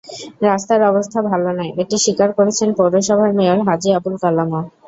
রাস্তার অবস্থা ভালো নয়, এটি স্বীকার করেছেন পৌরসভার মেয়র হাজি আবুল কালামও।